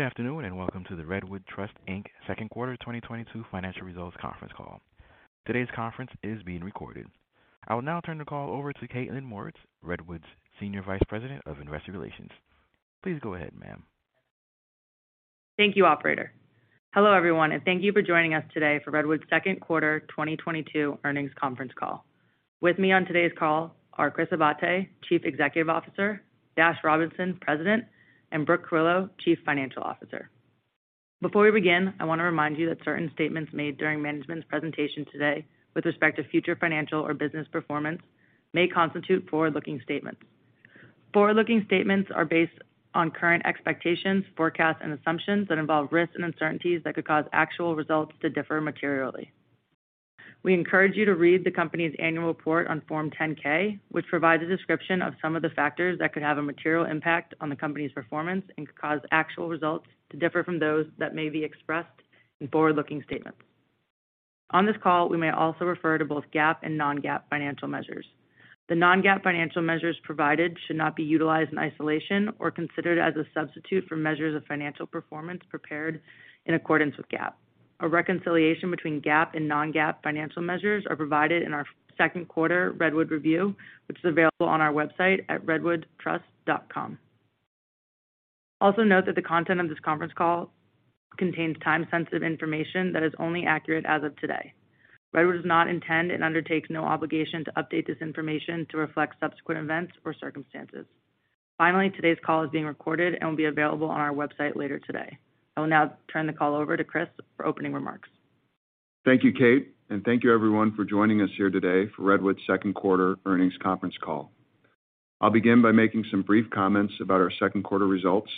Good afternoon, and welcome to the Redwood Trust, Inc. Second Quarter 2022 Financial Results Conference Call. Today's conference is being recorded. I will now turn the call over to Kaitlyn Mauritz, Redwood's Senior Vice President of Investor Relations. Please go ahead, ma'am. Thank you, operator. Hello, everyone, and thank you for joining us today for Redwood's Second Quarter 2022 Earnings Conference Call. With me on today's call are Chris Abate, Chief Executive Officer, Dash Robinson, President, and Brooke Carillo, Chief Financial Officer. Before we begin, I want to remind you that certain statements made during management's presentation today with respect to future financial or business performance may constitute forward-looking statements. Forward-looking statements are based on current expectations, forecasts, and assumptions that involve risks and uncertainties that could cause actual results to differ materially. We encourage you to read the company's annual report on Form 10-K, which provides a description of some of the factors that could have a material impact on the company's performance and could cause actual results to differ from those that may be expressed in forward-looking statements. On this call, we may also refer to both GAAP and non-GAAP financial measures. The non-GAAP financial measures provided should not be utilized in isolation or considered as a substitute for measures of financial performance prepared in accordance with GAAP. A reconciliation between GAAP and non-GAAP financial measures are provided in our second quarter Redwood Review, which is available on our website at RedwoodTrust.com. Also note that the content of this conference call contains time-sensitive information that is only accurate as of today. Redwood does not intend and undertakes no obligation to update this information to reflect subsequent events or circumstances. Finally, today's call is being recorded and will be available on our website later today. I will now turn the call over to Chris for opening remarks. Thank you, Kate, and thank you everyone for joining us here today for Redwood's second quarter earnings conference call. I'll begin by making some brief comments about our second quarter results,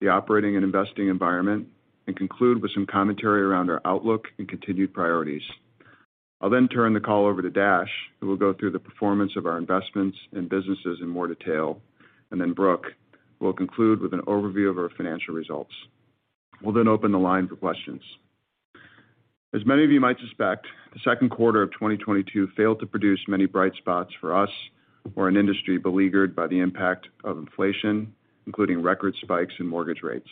the operating and investing environment, and conclude with some commentary around our outlook and continued priorities. I'll then turn the call over to Dash, who will go through the performance of our investments and businesses in more detail, and then Brooke, who will conclude with an overview of our financial results. We'll then open the line for questions. As many of you might suspect, the second quarter of 2022 failed to produce many bright spots for us or an industry beleaguered by the impact of inflation, including record spikes in mortgage rates.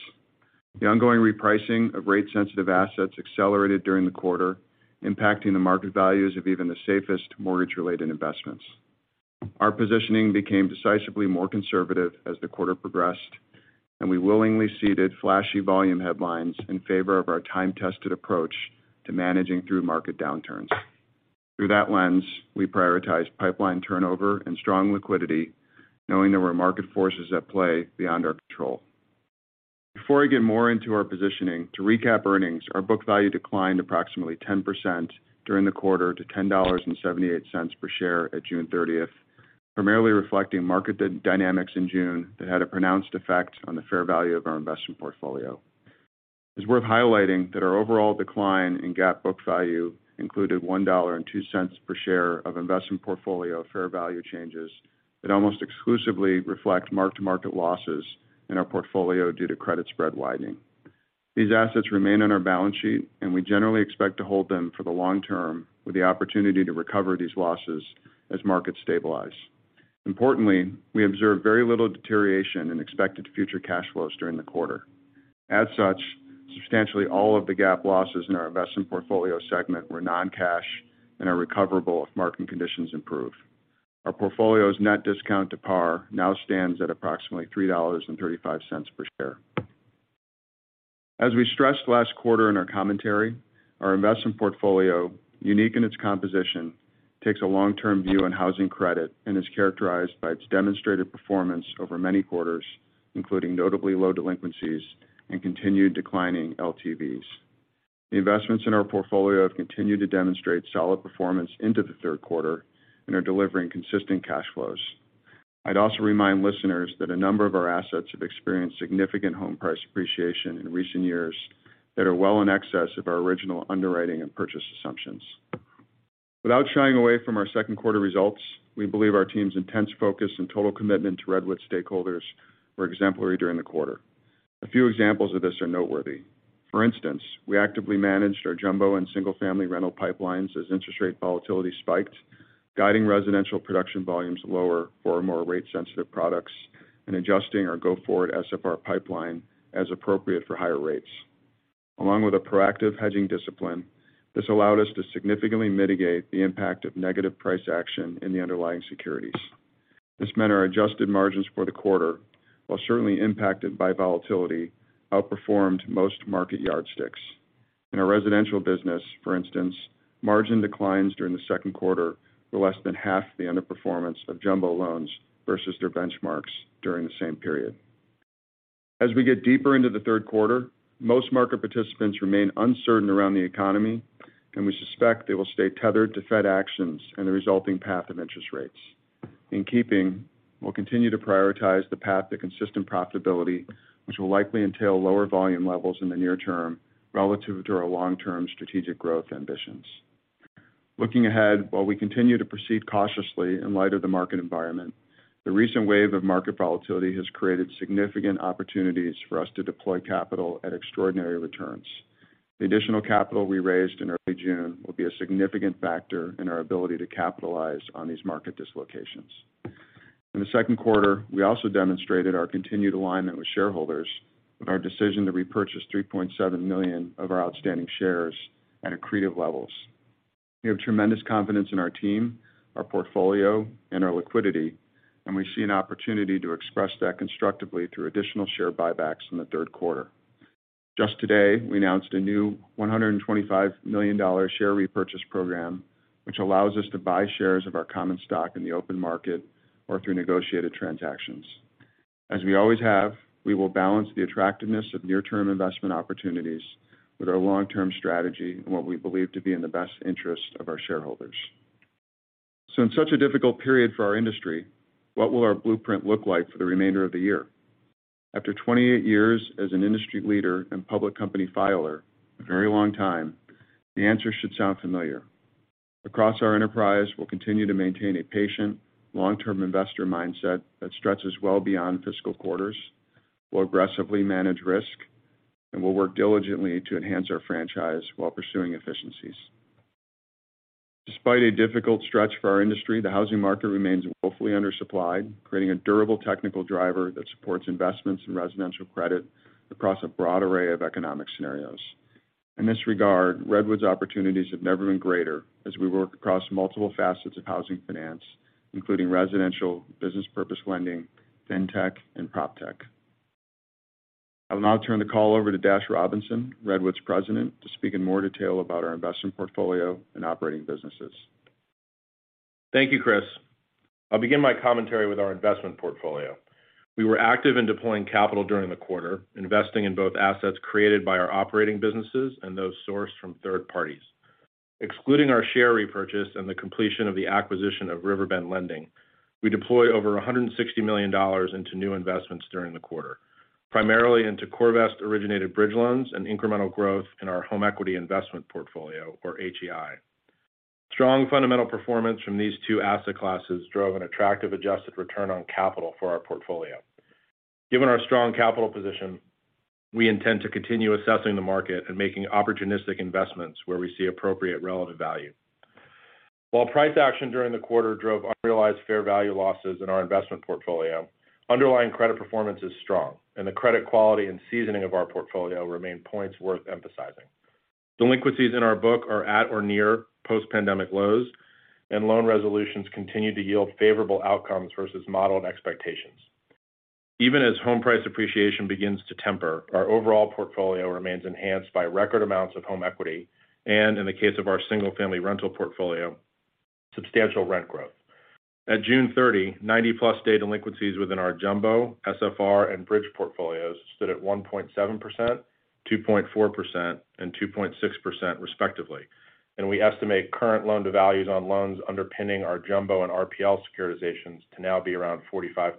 The ongoing repricing of rate-sensitive assets accelerated during the quarter, impacting the market values of even the safest mortgage-related investments. Our positioning became decisively more conservative as the quarter progressed, and we willingly ceded flashy volume headlines in favor of our time-tested approach to managing through market downturns. Through that lens, we prioritized pipeline turnover and strong liquidity, knowing there were market forces at play beyond our control. Before I get more into our positioning, to recap earnings, our book value declined approximately 10% during the quarter to $10.78 per share at June 30, primarily reflecting market dynamics in June that had a pronounced effect on the fair value of our investment portfolio. It's worth highlighting that our overall decline in GAAP book value included $1.02 per share of investment portfolio fair value changes that almost exclusively reflect mark-to-market losses in our portfolio due to credit spread widening. These assets remain on our balance sheet, and we generally expect to hold them for the long term with the opportunity to recover these losses as markets stabilize. Importantly, we observe very little deterioration in expected future cash flows during the quarter. As such, substantially all of the GAAP losses in our investment portfolio segment were non-cash and are recoverable if market conditions improve. Our portfolio's net discount to par now stands at approximately $3.35 per share. As we stressed last quarter in our commentary, our investment portfolio, unique in its composition, takes a long-term view on housing credit and is characterized by its demonstrated performance over many quarters, including notably low delinquencies and continued declining LTVs. The investments in our portfolio have continued to demonstrate solid performance into the third quarter and are delivering consistent cash flows. I'd also remind listeners that a number of our assets have experienced significant home price appreciation in recent years that are well in excess of our original underwriting and purchase assumptions. Without shying away from our second quarter results, we believe our team's intense focus and total commitment to Redwood stakeholders were exemplary during the quarter. A few examples of this are noteworthy. For instance, we actively managed our jumbo and single-family rental pipelines as interest rate volatility spiked, guiding residential production volumes lower for our more rate-sensitive products and adjusting our go-forward SFR pipeline as appropriate for higher rates. Along with a proactive hedging discipline, this allowed us to significantly mitigate the impact of negative price action in the underlying securities. This meant our adjusted margins for the quarter, while certainly impacted by volatility, outperformed most market yardsticks. In our residential business, for instance, margin declines during the second quarter were less than half the underperformance of jumbo loans versus their benchmarks during the same period. As we get deeper into the third quarter, most market participants remain uncertain around the economy, and we suspect they will stay tethered to Fed actions and the resulting path of interest rates. In keeping, we'll continue to prioritize the path to consistent profitability, which will likely entail lower volume levels in the near term relative to our long-term strategic growth ambitions. Looking ahead, while we continue to proceed cautiously in light of the market environment, the recent wave of market volatility has created significant opportunities for us to deploy capital at extraordinary returns. The additional capital we raised in early June will be a significant factor in our ability to capitalize on these market dislocations. In the second quarter, we also demonstrated our continued alignment with shareholders with our decision to repurchase 3.7 million of our outstanding shares at accretive levels. We have tremendous confidence in our team, our portfolio, and our liquidity, and we see an opportunity to express that constructively through additional share buybacks in the third quarter. Just today, we announced a new $125 million share repurchase program, which allows us to buy shares of our common stock in the open market or through negotiated transactions. As we always have, we will balance the attractiveness of near-term investment opportunities with our long-term strategy and what we believe to be in the best interest of our shareholders. In such a difficult period for our industry, what will our blueprint look like for the remainder of the year? After 28 years as an industry leader and public company filer, a very long time, the answer should sound familiar. Across our enterprise, we'll continue to maintain a patient, long-term investor mindset that stretches well beyond fiscal quarters. We'll aggressively manage risk, and we'll work diligently to enhance our franchise while pursuing efficiencies. Despite a difficult stretch for our industry, the housing market remains woefully undersupplied, creating a durable technical driver that supports investments in residential credit across a broad array of economic scenarios. In this regard, Redwood's opportunities have never been greater as we work across multiple facets of housing finance, including residential, business purpose lending, fintech, and proptech. I'll now turn the call over to Dash Robinson, Redwood's President, to speak in more detail about our investment portfolio and operating businesses. Thank you, Chris. I'll begin my commentary with our investment portfolio. We were active in deploying capital during the quarter, investing in both assets created by our operating businesses and those sourced from third parties. Excluding our share repurchase and the completion of the acquisition of Riverbend Lending, we deployed over $160 million into new investments during the quarter, primarily into CoreVest-originated bridge loans and incremental growth in our home equity investment portfolio, or HEI. Strong fundamental performance from these two asset classes drove an attractive adjusted return on capital for our portfolio. Given our strong capital position, we intend to continue assessing the market and making opportunistic investments where we see appropriate relative value. While price action during the quarter drove unrealized fair value losses in our investment portfolio, underlying credit performance is strong, and the credit quality and seasoning of our portfolio remain points worth emphasizing. Delinquencies in our book are at or near post-pandemic lows, and loan resolutions continue to yield favorable outcomes versus modeled expectations. Even as home price appreciation begins to temper, our overall portfolio remains enhanced by record amounts of home equity, and in the case of our single-family rental portfolio, substantial rent growth. At June 30, 90-plus day delinquencies within our jumbo, SFR, and bridge portfolios stood at 1.7%, 2.4%, and 2.6% respectively, and we estimate current loan-to-values on loans underpinning our jumbo and RPL securitizations to now be around 45%.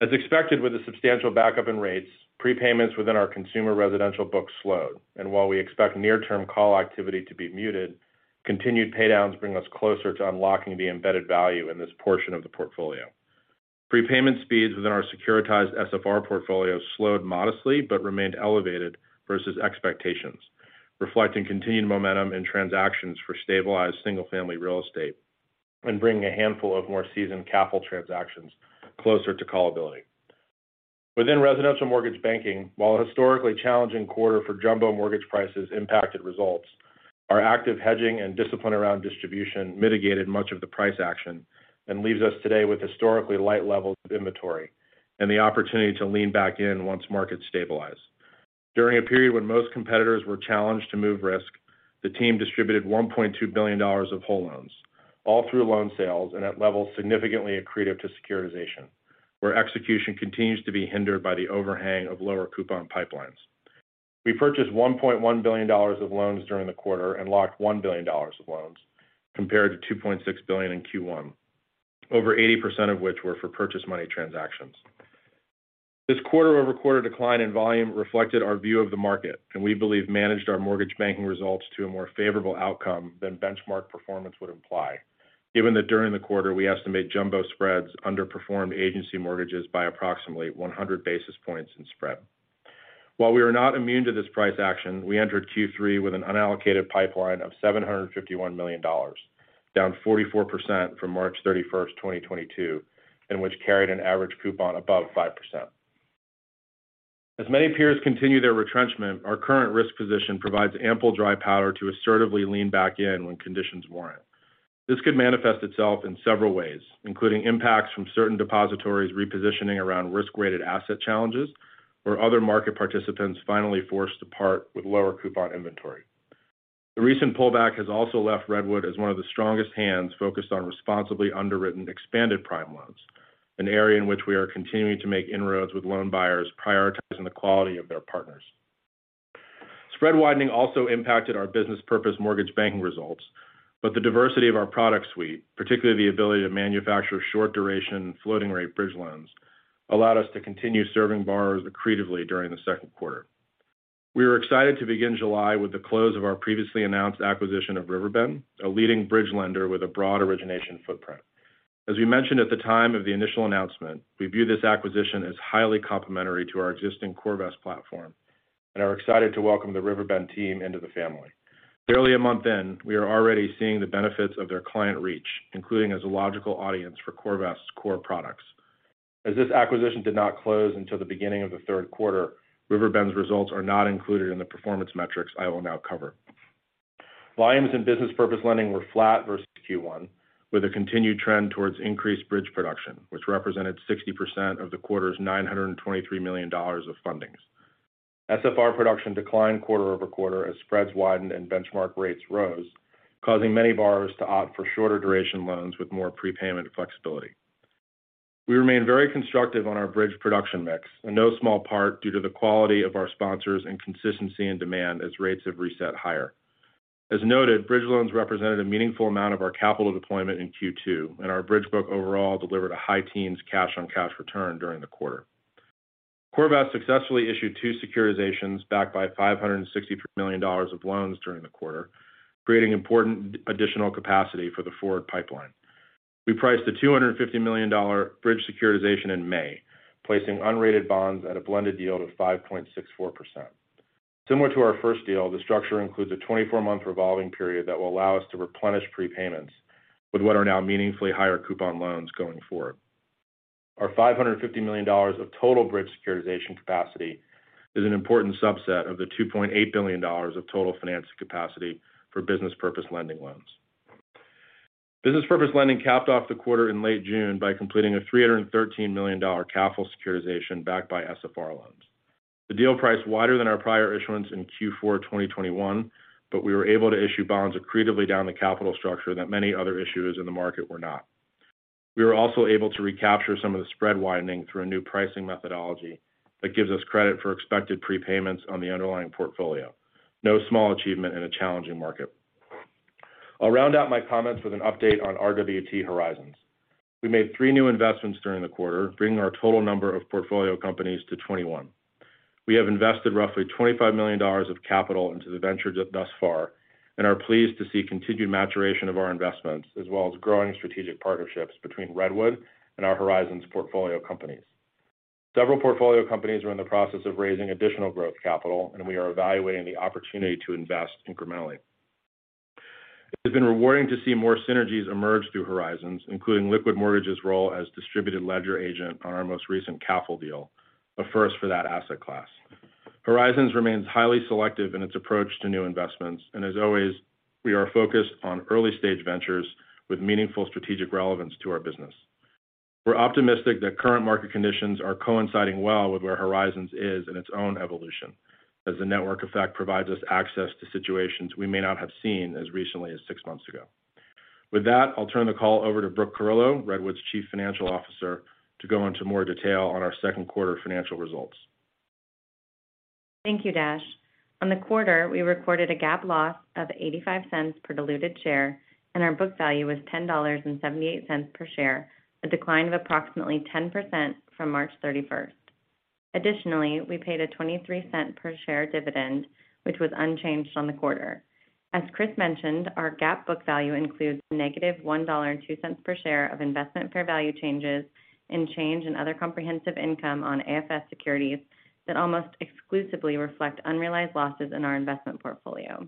As expected, with the substantial backup in rates, prepayments within our consumer residential books slowed, and while we expect near-term call activity to be muted, continued paydowns bring us closer to unlocking the embedded value in this portion of the portfolio. Prepayment speeds within our securitized SFR portfolio slowed modestly but remained elevated versus expectations, reflecting continued momentum in transactions for stabilized single-family real estate and bringing a handful of more seasoned capital transactions closer to callability. Within residential mortgage banking, while a historically challenging quarter for jumbo mortgage prices impacted results, our active hedging and discipline around distribution mitigated much of the price action and leaves us today with historically light levels of inventory and the opportunity to lean back in once markets stabilize. During a period when most competitors were challenged to move risk, the team distributed $1.2 billion of whole loans, all through loan sales and at levels significantly accretive to securitization, where execution continues to be hindered by the overhang of lower coupon pipelines. We purchased $1.1 billion of loans during the quarter and locked $1 billion of loans, compared to $2.6 billion in Q1, over 80% of which were for purchase money transactions. This quarter-over-quarter decline in volume reflected our view of the market and we believe managed our mortgage banking results to a more favorable outcome than benchmark performance would imply, given that during the quarter, we estimate jumbo spreads underperformed agency mortgages by approximately 100 basis points in spread. While we are not immune to this price action, we entered Q3 with an unallocated pipeline of $751 million, down 44% from March 31, 2022, and which carried an average coupon above 5%. As many peers continue their retrenchment, our current risk position provides ample dry powder to assertively lean back in when conditions warrant. This could manifest itself in several ways, including impacts from certain depositories repositioning around risk-weighted asset challenges or other market participants finally forced to part with lower coupon inventory. The recent pullback has also left Redwood as one of the strongest hands focused on responsibly underwritten expanded prime loans, an area in which we are continuing to make inroads with loan buyers prioritizing the quality of their partners. Spread widening also impacted our business purpose mortgage banking results, but the diversity of our product suite, particularly the ability to manufacture short-duration floating-rate bridge loans, allowed us to continue serving borrowers accretively during the second quarter. We were excited to begin July with the close of our previously announced acquisition of Riverbend, a leading bridge lender with a broad origination footprint. As we mentioned at the time of the initial announcement, we view this acquisition as highly complementary to our existing CoreVest platform and are excited to welcome the Riverbend team into the family. Barely a month in, we are already seeing the benefits of their client reach, including as a logical audience for CoreVest's core products. As this acquisition did not close until the beginning of the third quarter, Riverbend's results are not included in the performance metrics I will now cover. Volumes in business purpose lending were flat versus Q1, with a continued trend towards increased bridge production, which represented 60% of the quarter's $923 million of fundings. SFR production declined quarter-over-quarter as spreads widened and benchmark rates rose, causing many borrowers to opt for shorter duration loans with more prepayment flexibility. We remain very constructive on our bridge production mix, in no small part due to the quality of our sponsors and consistency in demand as rates have reset higher. As noted, bridge loans represented a meaningful amount of our capital deployment in Q2, and our bridge book overall delivered a high teens cash-on-cash return during the quarter. CoreVest successfully issued two securitizations backed by $563 million of loans during the quarter, creating important additional capacity for the forward pipeline. We priced a $250 million bridge securitization in May, placing unrated bonds at a blended yield of 5.64%. Similar to our first deal, the structure includes a 24-month revolving period that will allow us to replenish prepayments with what are now meaningfully higher coupon loans going forward. Our $550 million of total bridge securitization capacity is an important subset of the $2.8 billion of total financing capacity for business purpose lending loans. Business purpose lending capped off the quarter in late June by completing a $313 million capital securitization backed by SFR loans. The deal priced wider than our prior issuance in Q4 2021, but we were able to issue bonds accretively down the capital structure that many other issuers in the market were not. We were also able to recapture some of the spread widening through a new pricing methodology that gives us credit for expected prepayments on the underlying portfolio. No small achievement in a challenging market. I'll round out my comments with an update on RWT Horizons. We made three new investments during the quarter, bringing our total number of portfolio companies to 21. We have invested roughly $25 million of capital into the venture thus far and are pleased to see continued maturation of our investments as well as growing strategic partnerships between Redwood and our Horizons portfolio companies. Several portfolio companies are in the process of raising additional growth capital, and we are evaluating the opportunity to invest incrementally. It has been rewarding to see more synergies emerge through Horizons, including Liquid Mortgage's role as distributed ledger agent on our most recent capital deal, a first for that asset class. Horizons remains highly selective in its approach to new investments and as always, we are focused on early-stage ventures with meaningful strategic relevance to our business. We're optimistic that current market conditions are coinciding well with where Horizons is in its own evolution, as the network effect provides us access to situations we may not have seen as recently as six months ago. With that, I'll turn the call over to Brooke Carillo, Redwood's Chief Financial Officer, to go into more detail on our second quarter financial results. Thank you, Dash. On the quarter, we recorded a GAAP loss of $0.85 per diluted share, and our book value was $10.78 per share, a decline of approximately 10% from March 31. Additionally, we paid a $0.23 per share dividend, which was unchanged on the quarter. As Chris mentioned, our GAAP book value includes -$1.02 per share of investment fair value changes and change in other comprehensive income on AFS securities that almost exclusively reflect unrealized losses in our investment portfolio.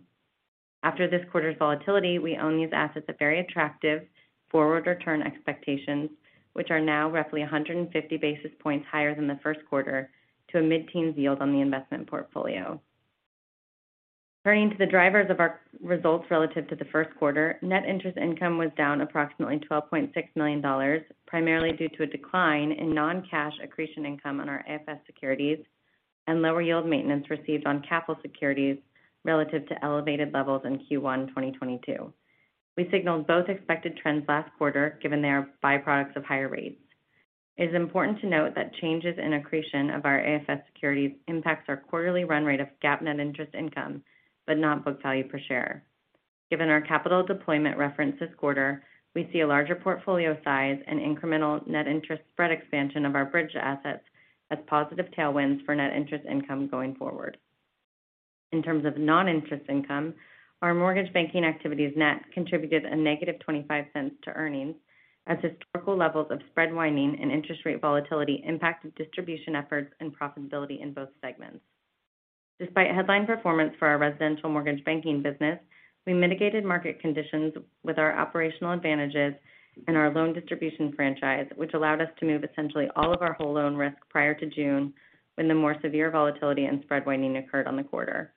After this quarter's volatility, we own these assets at very attractive forward return expectations, which are now roughly 150 basis points higher than the first quarter to a mid-teens yield on the investment portfolio. Turning to the drivers of our results relative to the first quarter, net interest income was down approximately $12.6 million, primarily due to a decline in non-cash accretion income on our AFS securities and lower yield maintenance received on capital securities relative to elevated levels in Q1 2022. We signaled both expected trends last quarter, given they are byproducts of higher rates. It is important to note that changes in accretion of our AFS securities impacts our quarterly run rate of GAAP net interest income, but not book value per share. Given our capital deployment referenced this quarter, we see a larger portfolio size and incremental net interest spread expansion of our bridge assets as positive tailwinds for net interest income going forward. In terms of non-interest income, our mortgage banking activities net contributed a negative $0.25 to earnings as historical levels of spread widening and interest rate volatility impacted distribution efforts and profitability in both segments. Despite headline performance for our residential mortgage banking business, we mitigated market conditions with our operational advantages and our loan distribution franchise, which allowed us to move essentially all of our whole loan risk prior to June, when the more severe volatility and spread widening occurred on the quarter.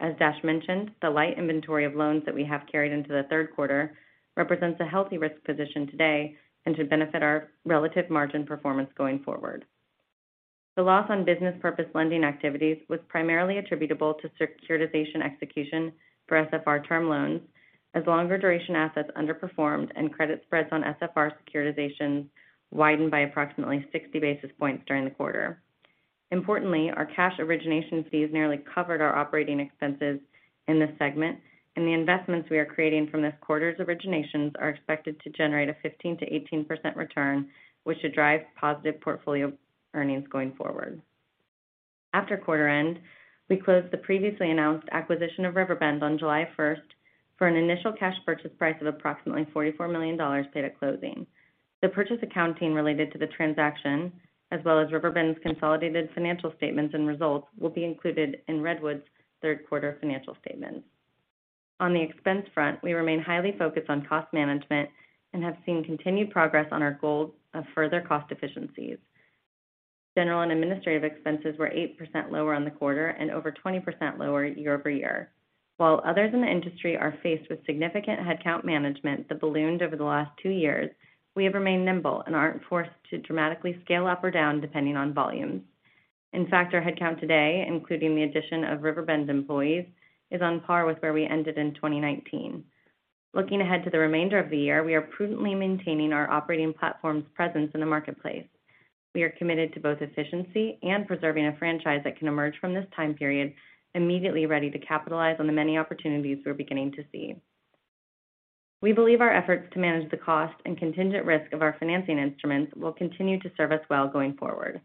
As Dash mentioned, the light inventory of loans that we have carried into the third quarter represents a healthy risk position today and should benefit our relative margin performance going forward. The loss on business purpose lending activities was primarily attributable to securitization execution for SFR term loans as longer duration assets underperformed and credit spreads on SFR securitizations widened by approximately 60 basis points during the quarter. Importantly, our cash origination fees nearly covered our operating expenses in this segment, and the investments we are creating from this quarter's originations are expected to generate a 15%-18% return, which should drive positive portfolio earnings going forward. After quarter end, we closed the previously announced acquisition of Riverbend on July 1. For an initial cash purchase price of approximately $44 million paid at closing. The purchase accounting related to the transaction, as well as Riverbend's consolidated financial statements and results, will be included in Redwood's third quarter financial statements. On the expense front, we remain highly focused on cost management and have seen continued progress on our goals of further cost efficiencies. General and administrative expenses were 8% lower on the quarter and over 20% lower year-over-year. While others in the industry are faced with significant headcount management that ballooned over the last two years, we have remained nimble and aren't forced to dramatically scale up or down depending on volumes. In fact, our headcount today, including the addition of Riverbend's employees, is on par with where we ended in 2019. Looking ahead to the remainder of the year, we are prudently maintaining our operating platform's presence in the marketplace. We are committed to both efficiency and preserving a franchise that can emerge from this time period immediately ready to capitalize on the many opportunities we're beginning to see. We believe our efforts to manage the cost and contingent risk of our financing instruments will continue to serve us well going forward.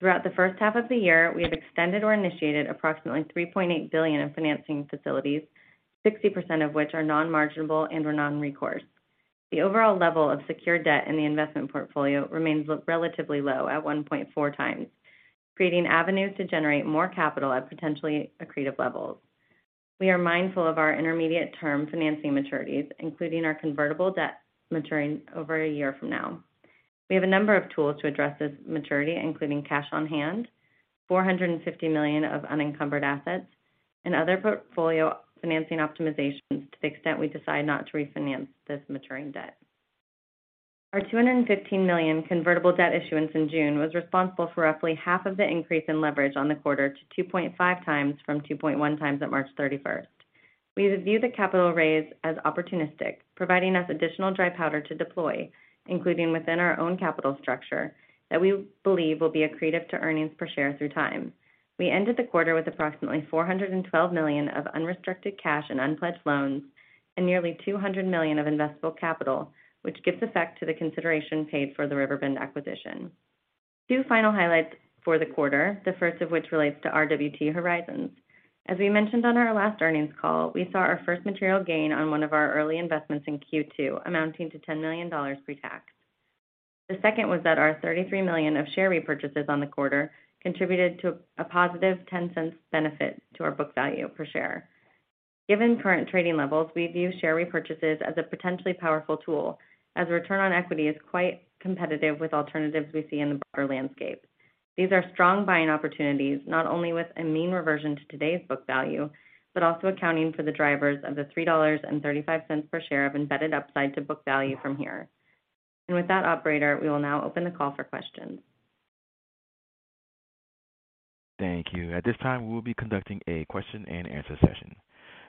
Throughout the first half of the year, we have extended or initiated approximately $3.8 billion in financing facilities, 60% of which are non-marginable and/or non-recourse. The overall level of secured debt in the investment portfolio remains relatively low at 1.4 times, creating avenues to generate more capital at potentially accretive levels. We are mindful of our intermediate-term financing maturities, including our convertible debt maturing over a year from now. We have a number of tools to address this maturity, including cash on hand, $450 million of unencumbered assets and other portfolio financing optimizations to the extent we decide not to refinance this maturing debt. Our $215 million convertible debt issuance in June was responsible for roughly half of the increase in leverage on the quarter to 2.5 times from 2.1 times at March 31. We view the capital raise as opportunistic, providing us additional dry powder to deploy, including within our own capital structure that we believe will be accretive to earnings per share through time. We ended the quarter with approximately $412 million of unrestricted cash and unpledged loans and nearly $200 million of investable capital, which gives effect to the consideration paid for the Riverbend acquisition. Two final highlights for the quarter, the first of which relates to RWT Horizons. As we mentioned on our last earnings call, we saw our first material gain on one of our early investments in Q2 amounting to $10 million pre-tax. The second was that our $33 million of share repurchases on the quarter contributed to a positive $0.10 benefit to our book value per share. Given current trading levels, we view share repurchases as a potentially powerful tool, as return on equity is quite competitive with alternatives we see in the broader landscape. These are strong buying opportunities, not only with a mean reversion to today's book value, but also accounting for the drivers of the $3.35 per share of embedded upside to book value from here. With that operator, we will now open the call for questions. Thank you. At this time, we will be conducting a question-and-answer session.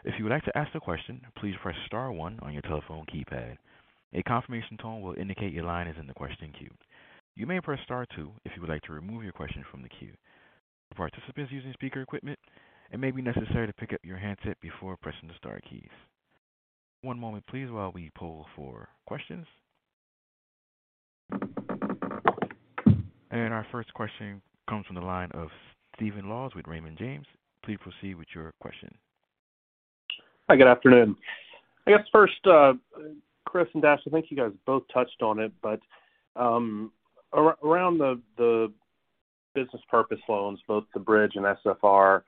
If you would like to ask a question, please press star one on your telephone keypad. A confirmation tone will indicate your line is in the question queue. You may press star two if you would like to remove your question from the queue. Participants using speaker equipment, it may be necessary to pick up your handset before pressing the star keys. One moment please while we pull for questions. Our first question comes from the line of Steven Delaney with Raymond James. Please proceed with your question. Hi, good afternoon. I guess first, Chris and Dash, I think you guys both touched on it, but, around the business purpose loans, both the Bridge and SFR,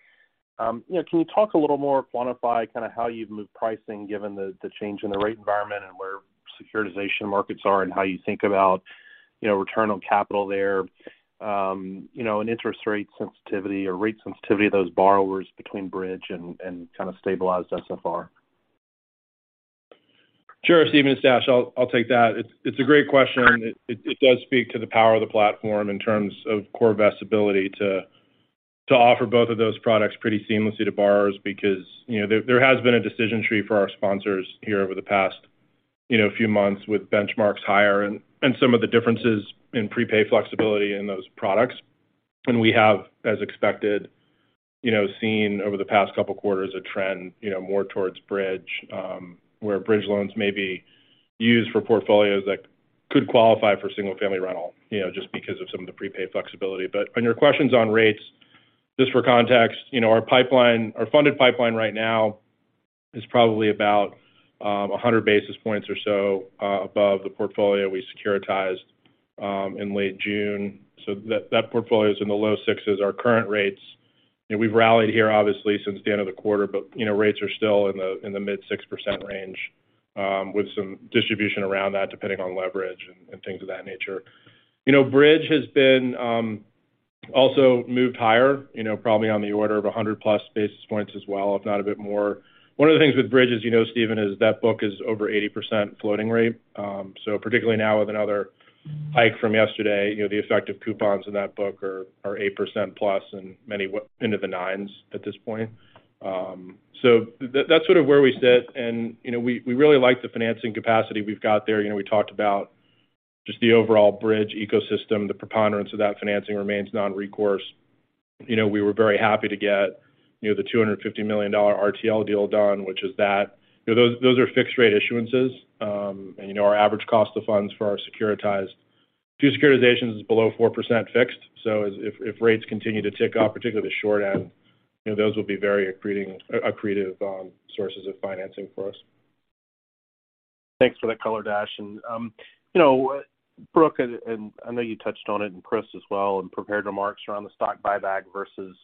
you know, can you talk a little more, quantify kinda how you've moved pricing given the change in the rate environment and where securitization markets are and how you think about, you know, return on capital there, you know, and interest rate sensitivity or rate sensitivity of those borrowers between Bridge and kind of stabilized SFR? Sure, Steven, it's Dash. I'll take that. It's a great question, and it does speak to the power of the platform in terms of CoreVest's ability to offer both of those products pretty seamlessly to borrowers because, you know, there has been a decision tree for our sponsors here over the past, you know, few months with benchmarks higher and some of the differences in prepay flexibility in those products. We have, as expected, you know, seen over the past couple quarters a trend, you know, more towards Bridge, where Bridge loans may be used for portfolios that could qualify for single-family rental, you know, just because of some of the prepay flexibility. On your questions on rates, just for context, you know, our funded pipeline right now is probably about 100 basis points or so above the portfolio we securitized in late June. That portfolio is in the low 6s. Our current rates, you know, we've rallied here obviously since the end of the quarter, but you know, rates are still in the mid-6% range with some distribution around that, depending on leverage and things of that nature. You know, Bridge has been also moved higher, you know, probably on the order of 100+ basis points as well, if not a bit more. One of the things with Bridge is, you know, Steven, that book is over 80% floating rate. Particularly now with another hike from yesterday, you know, the effect of coupons in that book are 8%+ and many went into the 9s at this point. That's sort of where we sit and, you know, we really like the financing capacity we've got there. You know, we talked about just the overall Bridge ecosystem. The preponderance of that financing remains non-recourse. You know, we were very happy to get, you know, the $250 million RTL deal done, which is that. You know, those are fixed rate issuances. You know, our average cost of funds for our securitized Two securitizations is below 4% fixed. If rates continue to tick off, particularly the short end, you know, those will be very accretive sources of financing for us. Thanks for that color, Dash. You know, Brooke, and I know you touched on it and Chris as well in prepared remarks around the stock buyback versus,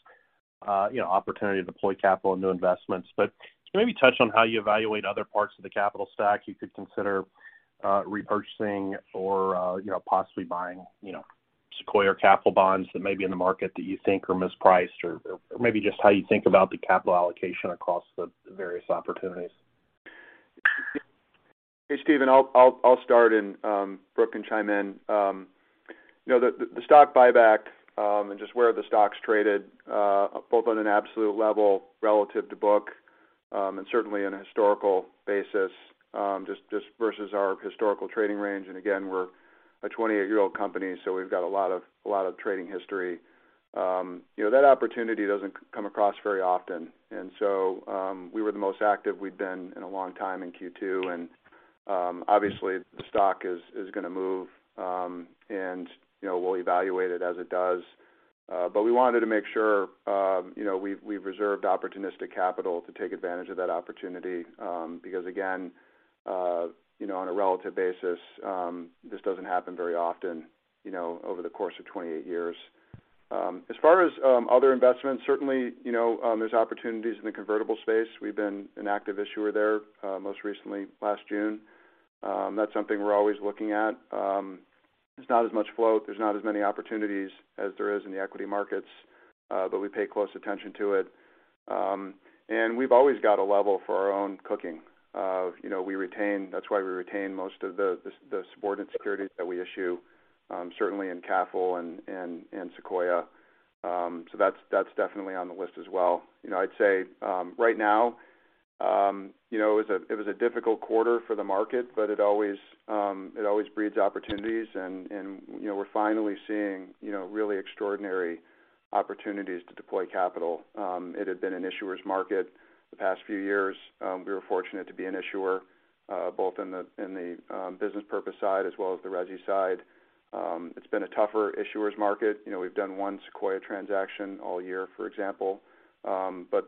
you know, opportunity to deploy capital and new investments. Can you maybe touch on how you evaluate other parts of the capital stack you could consider repurchasing or, you know, possibly buying, you know, Sequoia capital bonds that may be in the market that you think are mispriced, or maybe just how you think about the capital allocation across the various opportunities. Hey, Steven, I'll start, and Brooke can chime in. You know, the stock buyback and just where the stock's traded, both on an absolute level relative to book, and certainly on a historical basis, just versus our historical trading range, and again, we're a 28-year-old company, so we've got a lot of trading history. You know, that opportunity doesn't come across very often. We were the most active we've been in a long time in Q2. Obviously, the stock is gonna move, and you know, we'll evaluate it as it does. We wanted to make sure, you know, we've reserved opportunistic capital to take advantage of that opportunity, because again, you know, on a relative basis, this doesn't happen very often, you know, over the course of 28 years. As far as other investments, certainly, you know, there's opportunities in the convertible space. We've been an active issuer there, most recently last June. That's something we're always looking at. There's not as much float, there's not as many opportunities as there is in the equity markets, but we pay close attention to it. We've always got a level for our own cooking. You know, that's why we retain most of the subordinate securities that we issue, certainly in CAFL and Sequoia. That's definitely on the list as well. You know, I'd say, right now, you know, it was a difficult quarter for the market, but it always breeds opportunities and you know, we're finally seeing you know, really extraordinary opportunities to deploy capital. It had been an issuers' market the past few years. We were fortunate to be an issuer both in the business purpose side as well as the resi side. It's been a tougher issuers' market. You know, we've done one Sequoia transaction all year, for example.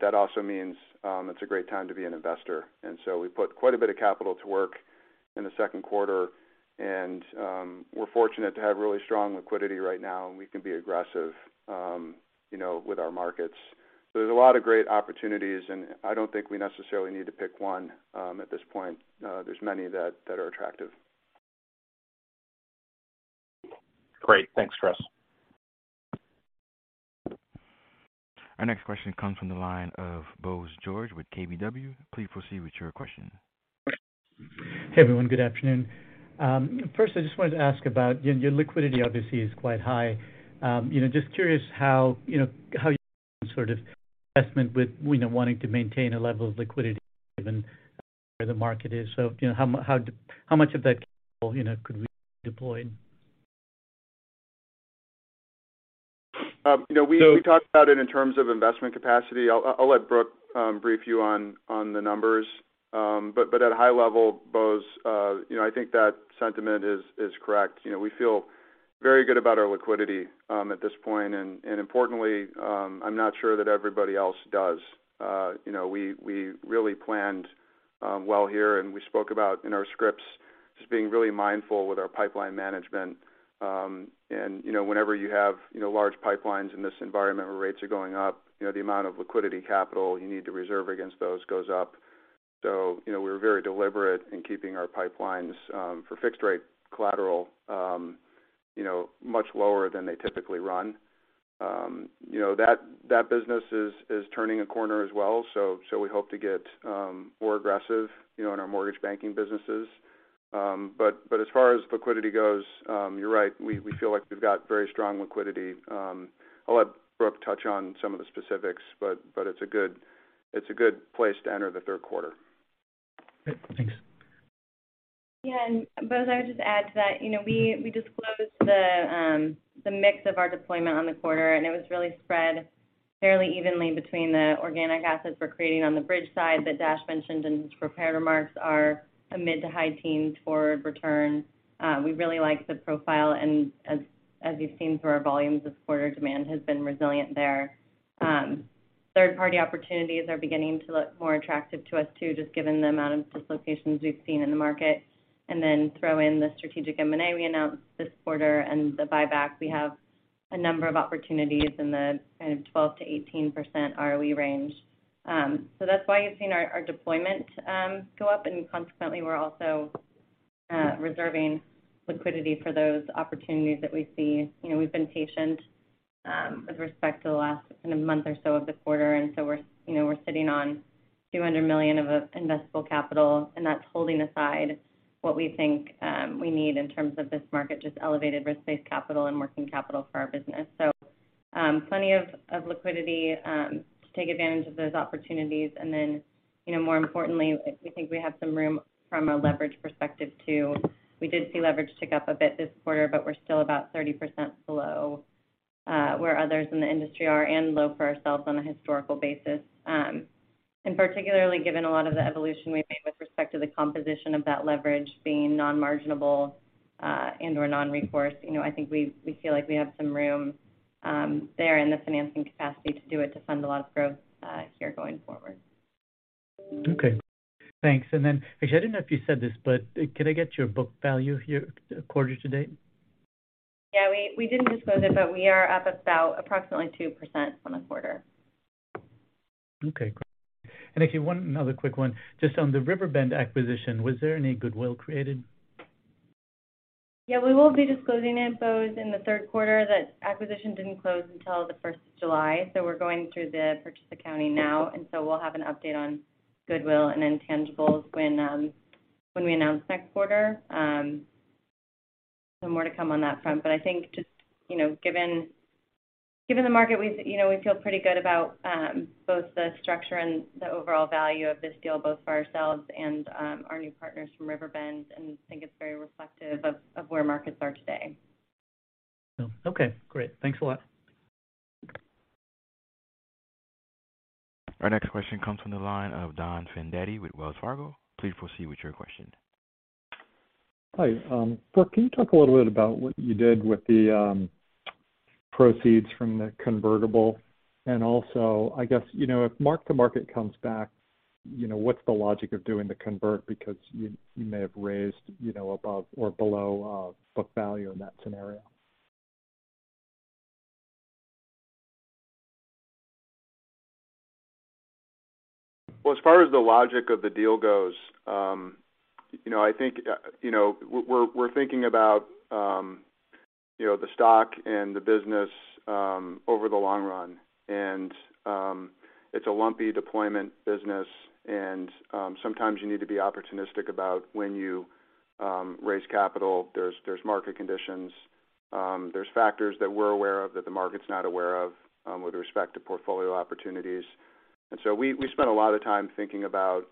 That also means it's a great time to be an investor. We put quite a bit of capital to work in the second quarter, and we're fortunate to have really strong liquidity right now, and we can be aggressive, you know, with our markets. There's a lot of great opportunities, and I don't think we necessarily need to pick one at this point. There's many that are attractive. Great. Thanks, Chris. Our next question comes from the line of Bose George with KBW. Please proceed with your question. Hey, everyone. Good afternoon. First, I just wanted to ask about, you know, your liquidity obviously is quite high. You know, just curious how, you know, how you sort of invest with, you know, wanting to maintain a level of liquidity given where the market is. You know, how much of that, you know, could be deployed? You know, we talked about it in terms of investment capacity. I'll let Brooke Carillo brief you on the numbers. At a high level, Bose George, you know, I think that sentiment is correct. You know, we feel very good about our liquidity at this point. Importantly, I'm not sure that everybody else does. You know, we really planned well here, and we spoke about in our scripts just being really mindful with our pipeline management. You know, whenever you have large pipelines in this environment where rates are going up, you know, the amount of liquidity capital you need to reserve against those goes up. You know, we're very deliberate in keeping our pipelines for fixed rate collateral, you know, much lower than they typically run. You know, that business is turning a corner as well. We hope to get more aggressive, you know, in our mortgage banking businesses. As far as liquidity goes, you're right, we feel like we've got very strong liquidity. I'll let Brooke touch on some of the specifics, but it's a good place to enter the third quarter. Great. Thanks. Yeah. Bose, I would just add to that, you know, we disclosed the mix of our deployment on the quarter, and it was really spread fairly evenly between the organic assets we're creating on the bridge side that Dash mentioned in his prepared remarks are a mid to high teen toward return. We really like the profile. As you've seen through our volumes this quarter, demand has been resilient there. Third-party opportunities are beginning to look more attractive to us too, just given the amount of dislocations we've seen in the market. Then throw in the strategic M&A we announced this quarter and the buyback, we have a number of opportunities in the kind of 12%-18% ROE range. So that's why you've seen our deployment go up. Consequently, we're also reserving liquidity for those opportunities that we see. You know, we've been patient with respect to the last kind of month or so of the quarter. We're sitting on $200 million of investable capital, and that's holding aside what we think we need in terms of this market, just elevated risk-based capital and working capital for our business. Plenty of liquidity to take advantage of those opportunities. Then, you know, more importantly, we think we have some room from a leverage perspective too. We did see leverage tick up a bit this quarter, but we're still about 30% below where others in the industry are and low for ourselves on a historical basis. Particularly given a lot of the evolution we've made with respect to the composition of that leverage being non-marginable, and/or non-recourse. You know, I think we feel like we have some room there in the financing capacity to do it to fund a lot of growth here going forward. Okay, thanks. Actually, I didn't know if you said this, but can I get your book value here quarter to date? Yeah, we didn't disclose it, but we are up about approximately 2% from the quarter. Okay, great. Actually another quick one. Just on the Riverbend acquisition, was there any goodwill created? Yeah, we will be disclosing it both in the third quarter. That acquisition didn't close until the first of July, so we're going through the purchase accounting now. We'll have an update on goodwill and intangibles when we announce next quarter. More to come on that front. I think just, you know, given the market, you know, we feel pretty good about both the structure and the overall value of this deal, both for ourselves and our new partners from Riverbend, and we think it's very reflective of where markets are today. Okay, great. Thanks a lot. Okay. Our next question comes from the line of Donald Fandetti with Wells Fargo. Please proceed with your question. Hi. Brooke, can you talk a little bit about what you did with the proceeds from the convertible? Also, I guess, you know, if mark-to-market comes back, you know, what's the logic of doing the convert? Because you may have raised, you know, above or below book value in that scenario. Well, as far as the logic of the deal goes, you know, I think, you know, we're thinking about, you know, the stock and the business over the long run. It's a lumpy deployment business and sometimes you need to be opportunistic about when you raise capital. There's market conditions, there's factors that we're aware of that the market's not aware of with respect to portfolio opportunities. We spent a lot of time thinking about,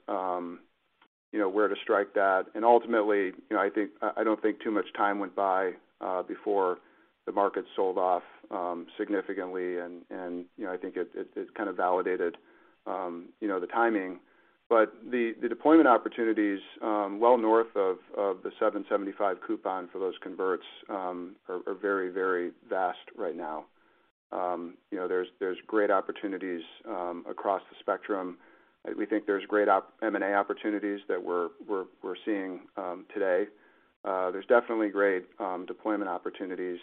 you know, where to strike that. Ultimately, you know, I don't think too much time went by before the market sold off significantly. You know, I think it kind of validated the timing. The deployment opportunities, well north of the 7.75 coupon for those converts, are very vast right now. You know, there's great opportunities across the spectrum. We think there's great M&A opportunities that we're seeing today. There's definitely great deployment opportunities,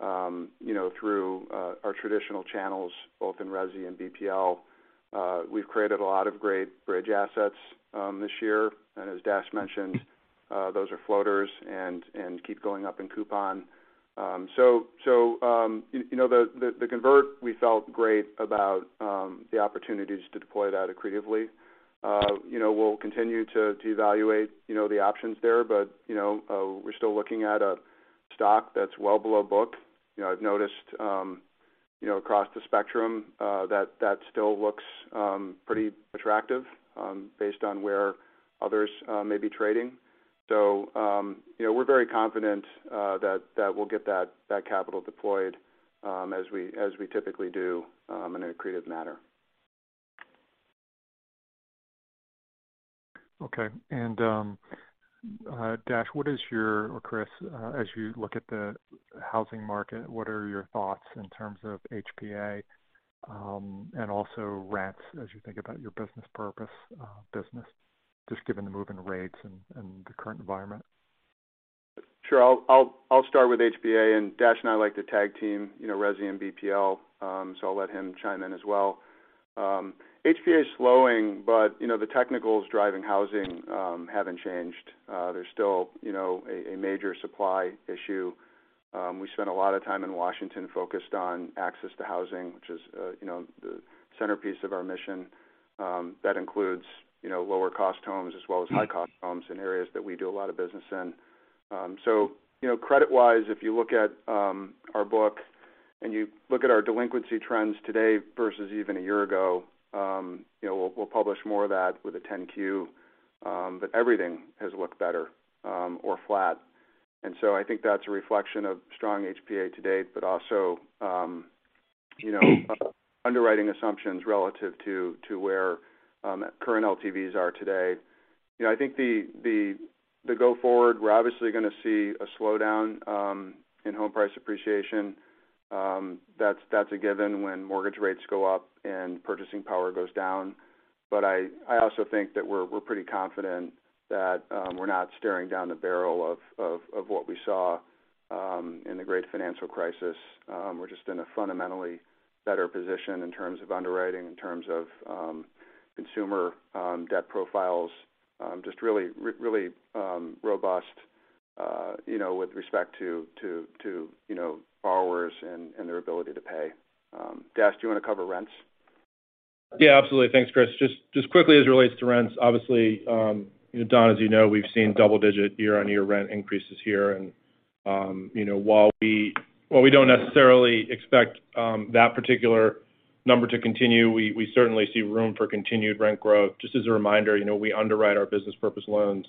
you know, through our traditional channels, both in Resi and BPL. We've created a lot of great bridge assets this year. As Dash mentioned, those are floaters and keep going up in coupon. So, you know, the convert, we felt great about the opportunities to deploy that accretively. You know, we'll continue to evaluate, you know, the options there. You know, we're still looking at a stock that's well below book. You know, I've noticed, you know, across the spectrum, that still looks pretty attractive, based on where others may be trading. You know, we're very confident that we'll get that capital deployed as we typically do in an accretive manner. Okay. Dash, what is your or Chris, as you look at the housing market, what are your thoughts in terms of HPA, and also rents as you think about your business purpose, business, just given the move in rates and the current environment? Sure. I'll start with HPA, and Dash and I like to tag team, you know, Resi and BPL, so I'll let him chime in as well. HPA is slowing, but you know, the technicals driving housing haven't changed. There's still, you know, a major supply issue. We spent a lot of time in Washington focused on access to housing, which is, you know, the centerpiece of our mission. That includes, you know, lower cost homes as well as high cost homes in areas that we do a lot of business in. So you know, credit-wise, if you look at our book and you look at our delinquency trends today versus even a year ago, you know, we'll publish more of that with a 10-Q. But everything has looked better or flat. I think that's a reflection of strong HPA to date, but also, you know, underwriting assumptions relative to where current LTVs are today. You know, I think the go forward, we're obviously gonna see a slowdown in home price appreciation. That's a given when mortgage rates go up and purchasing power goes down. But I also think that we're pretty confident that we're not staring down the barrel of what we saw in the great financial crisis. We're just in a fundamentally better position in terms of underwriting, in terms of consumer debt profiles, just really robust, you know, with respect to borrowers and their ability to pay. Dash, do you want to cover rents? Yeah, absolutely. Thanks, Chris. Just quickly, as it relates to rents, obviously, you know, Don, as you know, we've seen double-digit year-over-year rent increases here. You know, while we don't necessarily expect that particular Number to continue. We certainly see room for continued rent growth. Just as a reminder, you know, we underwrite our business purpose loans,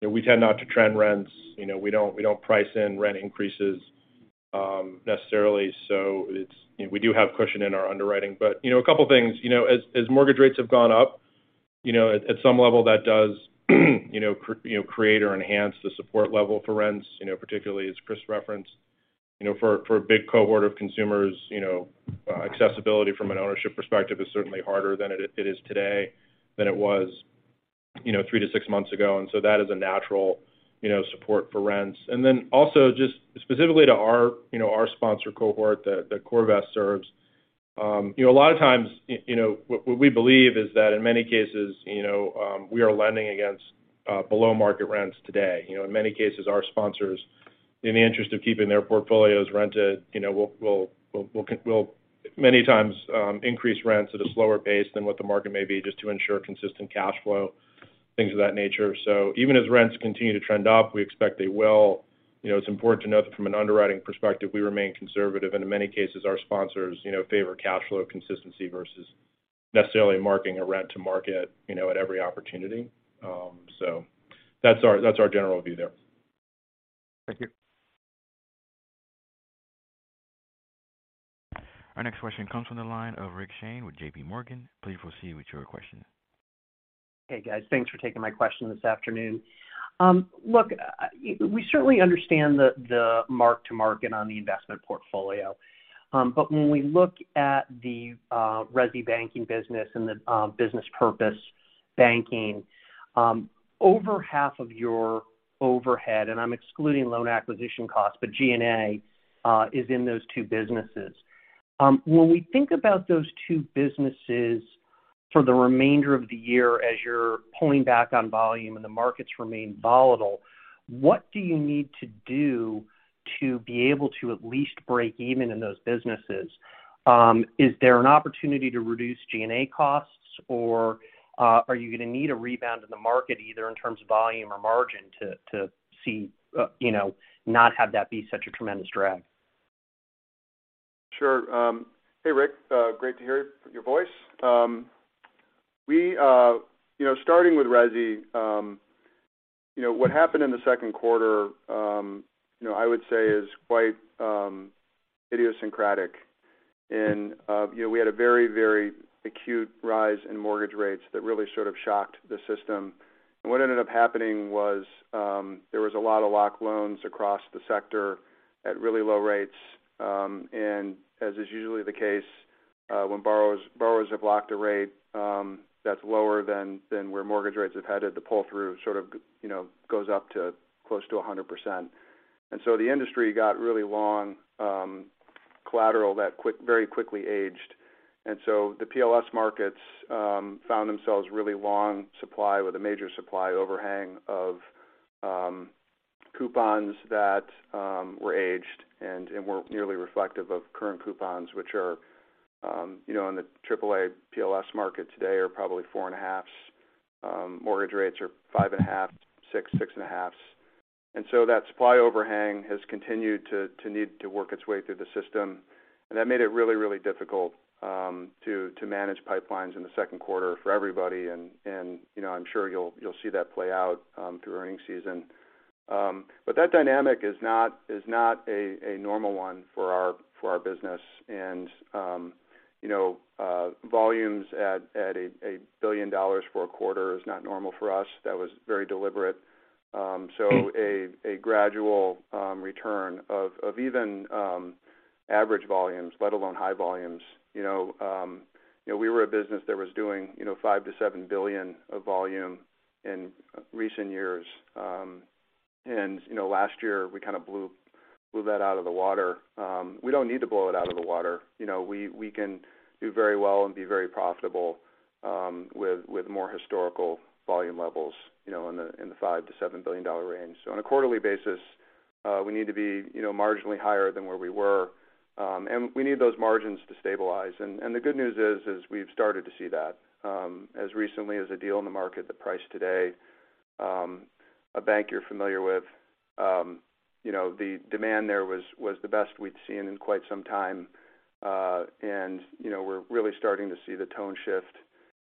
but we tend not to trend rents. You know, we don't price in rent increases, necessarily. We do have cushion in our underwriting. You know, a couple of things, you know, as mortgage rates have gone up, you know, at some level that does, you know, create or enhance the support level for rents, you know, particularly as Chris referenced. You know, for a big cohort of consumers, you know, accessibility from an ownership perspective is certainly harder than it is today than it was, you know, 3-6 months ago. That is a natural, you know, support for rents. Also just specifically to our sponsor cohort that CoreVest serves. A lot of times, what we believe is that in many cases, you know, we are lending against below market rents today. In many cases, our sponsors, in the interest of keeping their portfolios rented, you know, will many times increase rents at a slower pace than what the market may be, just to ensure consistent cash flow, things of that nature. Even as rents continue to trend up, we expect they will. It's important to note that from an underwriting perspective, we remain conservative, and in many cases, our sponsors favor cash flow consistency versus necessarily marking a rent to market at every opportunity. That's our general view there. Thank you. Our next question comes from the line of Rick Shane with J.P. Morgan. Please proceed with your question. Hey, guys. Thanks for taking my question this afternoon. Look, we certainly understand the mark-to-market on the investment portfolio. But when we look at the resi banking business and the business purpose banking, over half of your overhead, and I'm excluding loan acquisition costs, but G&A, is in those two businesses. When we think about those two businesses for the remainder of the year as you're pulling back on volume and the markets remain volatile, what do you need to do to be able to at least break even in those businesses? Is there an opportunity to reduce G&A costs, or are you going to need a rebound in the market, either in terms of volume or margin to see, you know, not have that be such a tremendous drag? Sure. Hey, Rick, great to hear your voice. We, you know, starting with resi, you know, what happened in the second quarter, you know, I would say is quite idiosyncratic. You know, we had a very, very acute rise in mortgage rates that really sort of shocked the system. What ended up happening was, there was a lot of locked loans across the sector at really low rates. As is usually the case, when borrowers have locked a rate, that's lower than where mortgage rates have headed, the pull-through sort of, you know, goes up to close to 100%. The industry got really long, collateral that very quickly aged. The PLS markets found themselves really long supply with a major supply overhang of coupons that were aged and weren't nearly reflective of current coupons, which are, you know, in the AAA PLS market today are probably 4.5s. Mortgage rates are 5.5, 6.5s. That supply overhang has continued to need to work its way through the system. That made it really difficult to manage pipelines in the second quarter for everybody. You know, I'm sure you'll see that play out through earnings season. But that dynamic is not a normal one for our business. You know, volumes at $1 billion for a quarter is not normal for us. That was very deliberate. A gradual return of even average volumes, let alone high volumes. You know, you know, we were a business that was doing, you know, $5 billion-$7 billion of volume in recent years. Last year, we kind of blew that out of the water. We don't need to blow it out of the water. You know, we can do very well and be very profitable with more historical volume levels, you know, in the $5 billion-$7 billion range. On a quarterly basis, we need to be, you know, marginally higher than where we were. We need those margins to stabilize. The good news is we've started to see that, as recently as a deal in the market that priced today, a bank you're familiar with. You know, the demand there was the best we'd seen in quite some time. You know, we're really starting to see the tone shift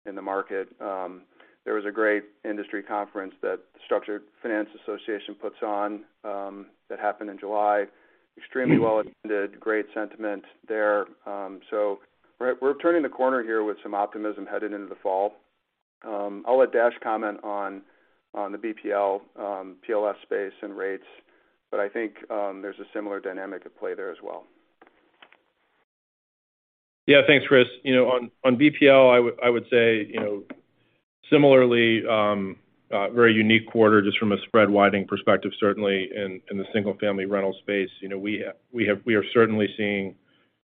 in the market. There was a great industry conference that Structured Finance Association puts on, that happened in July. Extremely well attended, great sentiment there. We're turning the corner here with some optimism headed into the fall. I'll let Dash comment on the BPL, PLS space and rates, but I think there's a similar dynamic at play there as well. Yeah. Thanks, Chris. You know, on BPL, I would say, you know, similarly, a very unique quarter just from a spread widening perspective, certainly in the single-family rental space. You know, we are certainly seeing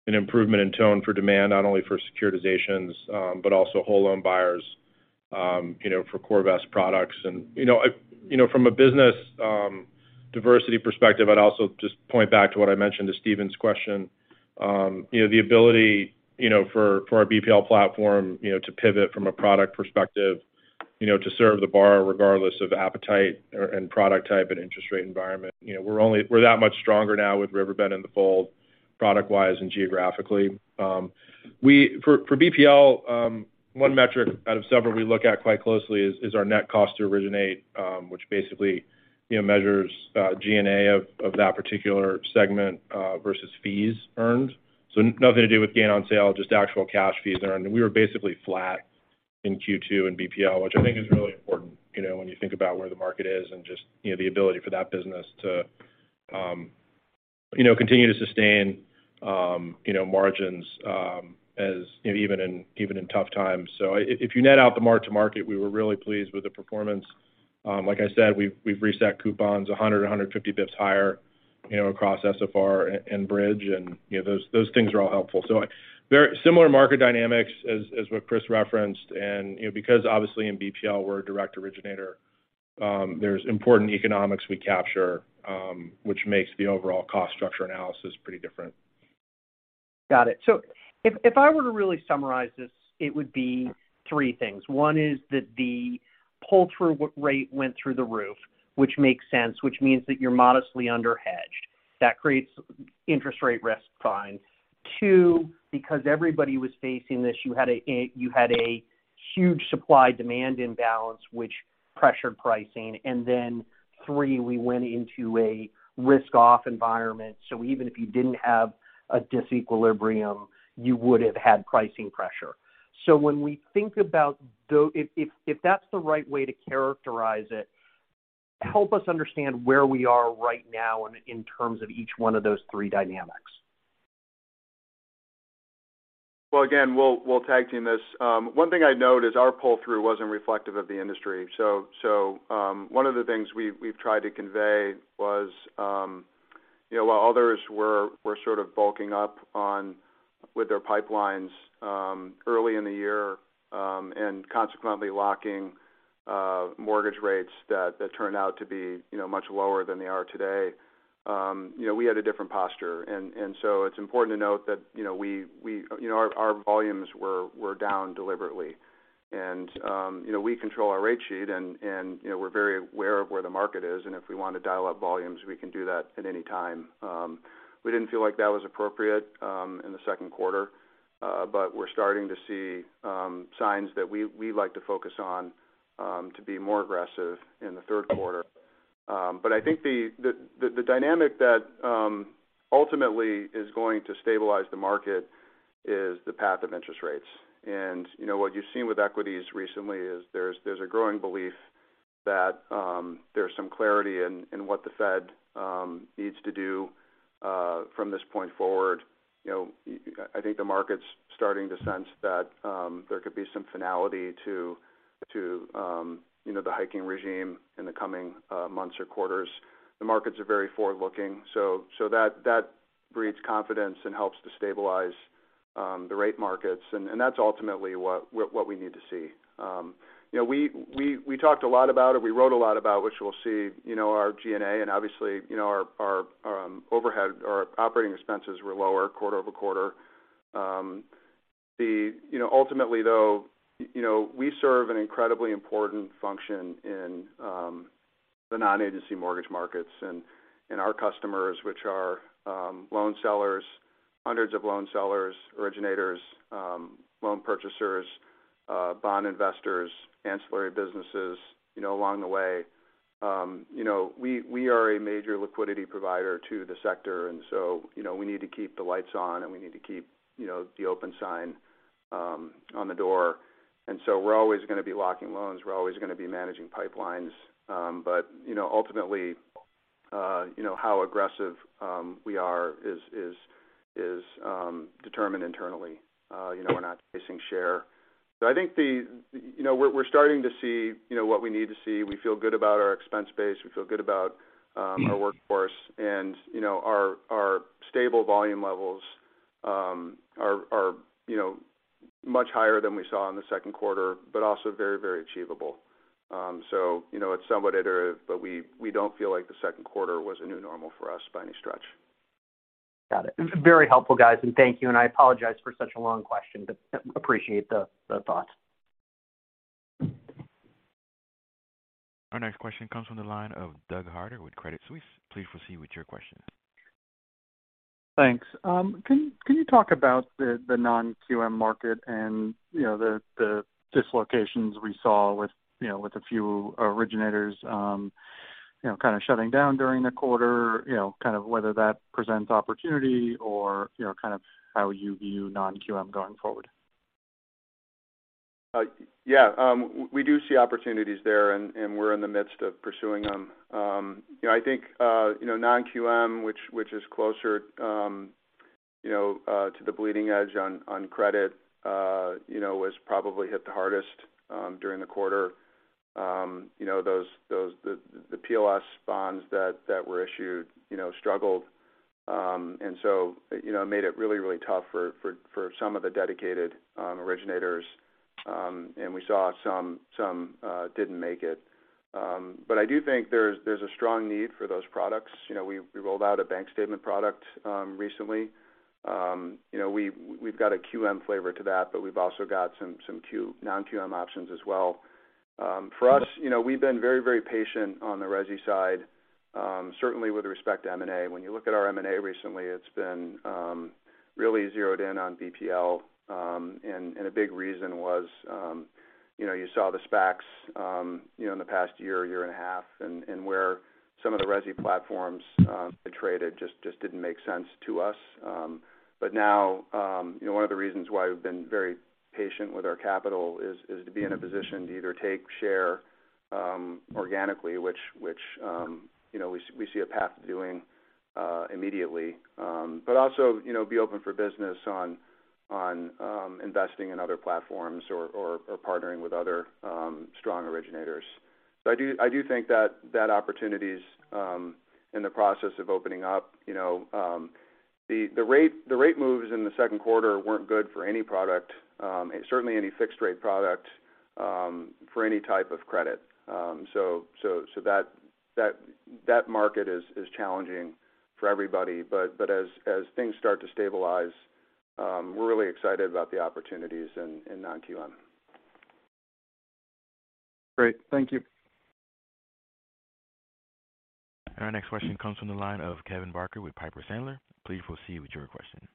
an improvement in tone for demand, not only for securitizations, but also whole loan buyers, you know, for CoreVest products. You know, from a business diversity perspective, I'd also just point back to what I mentioned to Steven's question. You know, the ability, you know, for our BPL platform, you know, to pivot from a product perspective, you know, to serve the borrower regardless of appetite and product type and interest rate environment. You know, we're that much stronger now with Riverbend in the fold product-wise and geographically. For BPL, one metric out of several we look at quite closely is our net cost to originate, which basically, you know, measures G&A of that particular segment versus fees earned. Nothing to do with gain on sale, just actual cash fees earned. We were basically flat in Q2 in BPL, which I think is really important, you know, when you think about where the market is and just, you know, the ability for that business to continue to sustain margins, you know, even in tough times. If you net out the mark-to-market, we were really pleased with the performance. Like I said, we've reset coupons 150 basis points higher, you know, across SFR and Bridge and, you know, those things are all helpful. Very similar market dynamics as what Chris referenced and, you know, because obviously in BPL, we're a direct originator, there's important economics we capture, which makes the overall cost structure analysis pretty different. Got it. If I were to really summarize this, it would be three things. One is that the pull-through rate went through the roof, which makes sense, which means that you're modestly under-hedged. That creates interest rate risk fine. Two, because everybody was facing this, you had a huge supply-demand imbalance which pressured pricing. Then three, we went into a risk-off environment, so even if you didn't have a disequilibrium, you would've had pricing pressure. When we think about if that's the right way to characterize it, help us understand where we are right now in terms of each one of those three dynamics. Well, again, we'll tag team this. One thing I'd note is our pull-through wasn't reflective of the industry. One of the things we've tried to convey was, you know, while others were sort of bulking up on with their pipelines early in the year and consequently locking mortgage rates that turned out to be, you know, much lower than they are today, you know, we had a different posture. It's important to note that, you know, we, you know, our volumes were down deliberately. You know, we control our rate sheet and, you know, we're very aware of where the market is, and if we want to dial up volumes, we can do that at any time. We didn't feel like that was appropriate in the second quarter. But we're starting to see signs that we like to focus on to be more aggressive in the third quarter. But I think the dynamic that ultimately is going to stabilize the market is the path of interest rates. You know, what you've seen with equities recently is there's a growing belief that there's some clarity in what the Fed needs to do from this point forward. You know, I think the market's starting to sense that there could be some finality to you know, the hiking regime in the coming months or quarters. The markets are very forward-looking, so that breeds confidence and helps to stabilize the rate markets, and that's ultimately what we need to see. You know, we talked a lot about it, we wrote a lot about which we'll see, you know, our G&A and obviously, you know, our overhead, our operating expenses were lower quarter-over-quarter. You know, ultimately, though, you know, we serve an incredibly important function in the non-agency mortgage markets and in our customers, which are hundreds of loan sellers, originators, loan purchasers, bond investors, ancillary businesses, you know, along the way. You know, we are a major liquidity provider to the sector, so you know, we need to keep the lights on, and we need to keep, you know, the open sign on the door. We're always gonna be locking loans. We're always gonna be managing pipelines. You know, ultimately, you know, how aggressive we are is determined internally. You know, we're not chasing share. I think you know, we're starting to see, you know, what we need to see. We feel good about our expense base. We feel good about our workforce and, you know, our stable volume levels are, you know, much higher than we saw in the second quarter, but also very, very achievable. You know, it's somewhat iterative, but we don't feel like the second quarter was a new normal for us by any stretch. Got it. Very helpful, guys. Thank you, and I apologize for such a long question, but appreciate the thoughts. Our next question comes from the line of Douglas Harter with Credit Suisse. Please proceed with your question. Thanks. Can you talk about the non-QM market and, you know, the dislocations we saw with, you know, with a few originators, you know, kind of shutting down during the quarter. You know, kind of whether that presents opportunity or, you know, kind of how you view non-QM going forward. Yeah. We do see opportunities there, and we're in the midst of pursuing them. You know, I think you know non-QM, which is closer you know to the bleeding edge on credit you know was probably hit the hardest during the quarter. You know, those. The PLS bonds that were issued you know struggled. You know, it made it really tough for some of the dedicated originators. We saw some didn't make it. I do think there's a strong need for those products. You know, we rolled out a bank statement product recently. You know, we've got a QM flavor to that, but we've also got some non-QM options as well. For us, you know, we've been very patient on the resi side, certainly with respect to M&A. When you look at our M&A recently, it's been really zeroed in on BPL. A big reason was, you know, you saw the SPACs, you know, in the past year and a half, and where some of the resi platforms traded just didn't make sense to us. Now, you know, one of the reasons why we've been very patient with our capital is to be in a position to either take share organically, which, you know, we see a path to doing immediately. Also, you know, be open for business on investing in other platforms or partnering with other strong originators. I do think that opportunity's in the process of opening up. You know, the rate moves in the second quarter weren't good for any product, certainly any fixed-rate product, for any type of credit. That market is challenging for everybody. As things start to stabilize, we're really excited about the opportunities in non-QM. Great. Thank you. Our next question comes from the line of Kevin Barker with Piper Sandler. Please proceed with your question.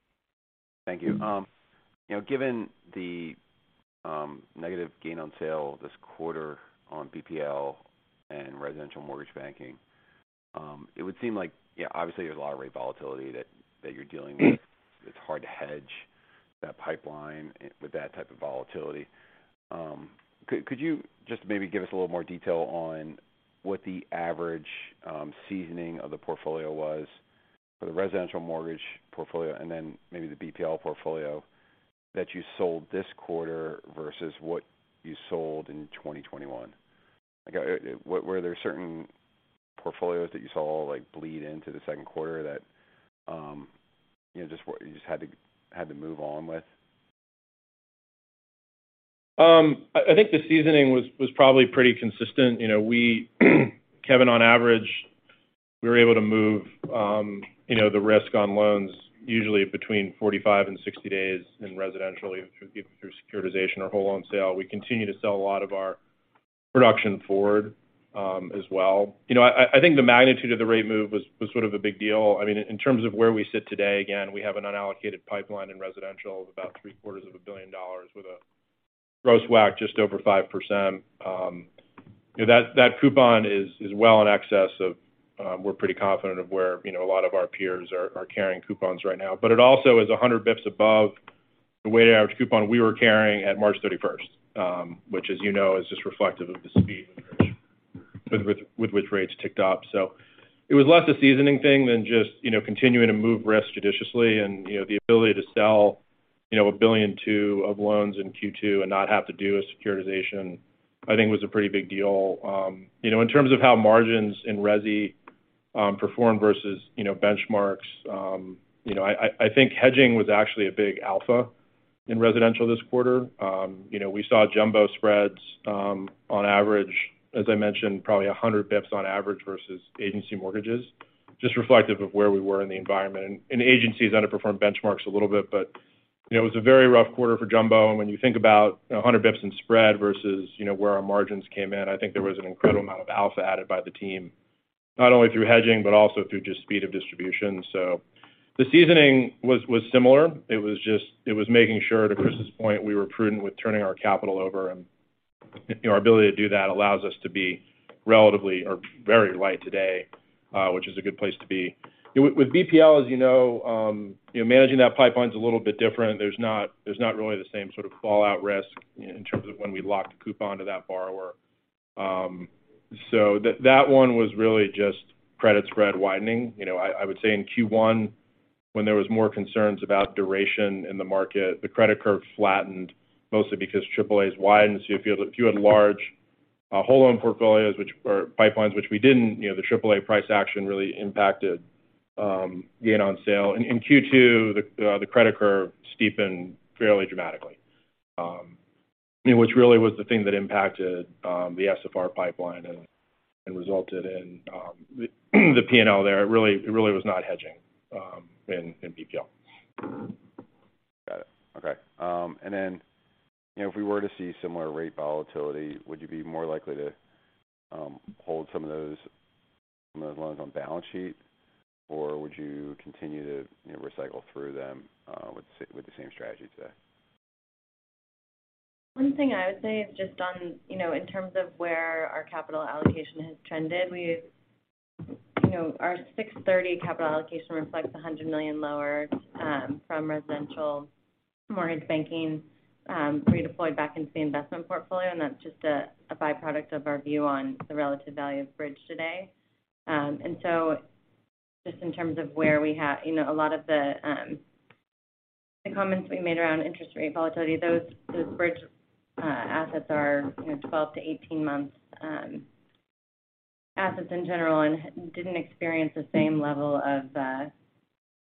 Thank you. You know, given the negative gain on sale this quarter on BPL and residential mortgage banking, it would seem like, you know, obviously, there's a lot of rate volatility that you're dealing with. It's hard to hedge that pipeline with that type of volatility. Could you just maybe give us a little more detail on what the average seasoning of the portfolio was for the residential mortgage portfolio and then maybe the BPL portfolio that you sold this quarter versus what you sold in 2021? Like, were there certain portfolios that you saw, like, bleed into the second quarter that, you know, just, you had to move on with? I think the seasoning was probably pretty consistent. You know, we, Kevin, on average, we were able to move the risk on loans usually between 45 and 60 days in residential either through securitization or whole loan sale. We continue to sell a lot of our production forward, as well. You know, I think the magnitude of the rate move was sort of a big deal. I mean, in terms of where we sit today, again, we have an unallocated pipeline in residential of about three-quarters of a billion dollars with a gross WAC just over 5%. You know, that coupon is well in excess of. We're pretty confident of where a lot of our peers are carrying coupons right now. It also is 100 basis points above the weighted average coupon we were carrying at March 31st, which, as you know, is just reflective of the speed with which rates ticked up. It was less a seasoning thing than just, you know, continuing to move risk judiciously. The ability to sell, you know, $1.2 billion of loans in Q2 and not have to do a securitization, I think was a pretty big deal. You know, in terms of how margins in resi performed versus, you know, benchmarks, you know, I think hedging was actually a big alpha in residential this quarter. You know, we saw jumbo spreads on average, as I mentioned, probably 100 basis points on average versus agency mortgages, just reflective of where we were in the environment. Agencies underperformed benchmarks a little bit, but, you know, it was a very rough quarter for jumbo. When you think about, you know, 100 basis points in spread versus, you know, where our margins came in, I think there was an incredible amount of alpha added by the team, not only through hedging, but also through just speed of distribution. The seasoning was similar. It was just making sure, to Chris' point, we were prudent with turning our capital over, and, you know, our ability to do that allows us to be relatively or very light today, which is a good place to be. You know, with BPL, as you know, managing that pipeline's a little bit different. There's not really the same sort of fallout risk in terms of when we locked a coupon to that borrower. That one was really just credit spread widening. You know, I would say in Q1, when there was more concerns about duration in the market, the credit curve flattened mostly because AAAs widened. If you had large whole loan portfolios or pipelines, which we didn't, you know, the AAA price action really impacted gain on sale. In Q2, the credit curve steepened fairly dramatically, which really was the thing that impacted the SFR pipeline and resulted in the P&L there. It really was not hedging in BPL. Got it. Okay. You know, if we were to see similar rate volatility, would you be more likely to hold some of those loans on balance sheet, or would you continue to, you know, recycle through them with the same strategy today? One thing I would say is just on, you know, in terms of where our capital allocation has trended, we've, you know, our 6/30 capital allocation reflects $100 million lower from residential mortgage banking, redeployed back into the investment portfolio, and that's just a byproduct of our view on the relative value of bridge today. Just in terms of where we you know, a lot of the comments we made around interest rate volatility, those bridge assets are, you know, 12-18 months assets in general and didn't experience the same level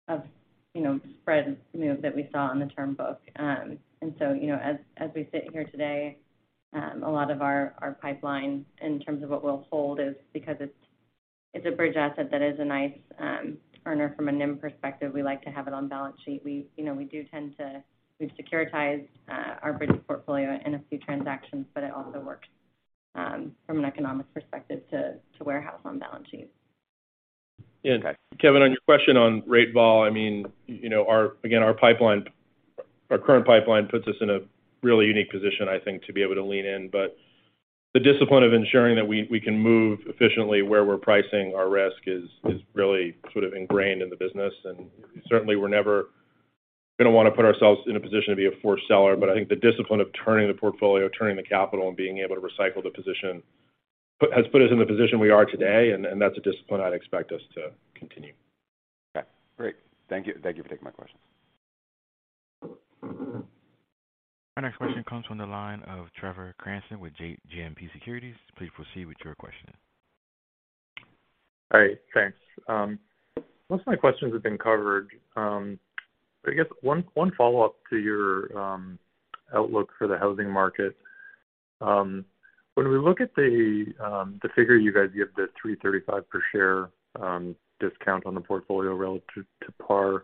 of you know, spread move that we saw on the term book. You know, as we sit here today, a lot of our pipeline in terms of what we'll hold is because it's a bridge asset that is a nice earner from a NIM perspective. We like to have it on balance sheet. You know, we've securitized our bridge portfolio in a few transactions, but it also works from an economic perspective to warehouse on balance sheet. Yeah. Kevin, on your question on rate vol, I mean, you know, our pipeline, our current pipeline puts us in a really unique position, I think, to be able to lean in. The discipline of ensuring that we can move efficiently where we're pricing our risk is really sort of ingrained in the business. Certainly we're never gonna wanna put ourselves in a position to be a forced seller. I think the discipline of turning the portfolio, turning the capital, and being able to recycle the position has put us in the position we are today, and that's a discipline I'd expect us to continue. Okay. Great. Thank you. Thank you for taking my questions. Our next question comes from the line of Trevor Cranston with JMP Securities. Please proceed with your question. All right. Thanks. Most of my questions have been covered. I guess one follow-up to your outlook for the housing market. When we look at the figure you guys give, the $3.35 per share discount on the portfolio relative to par,